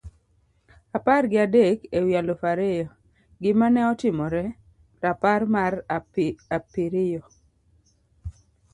apar gi adek e wi aluf ariyo: Gima ne otimore . rapar mar apiriyo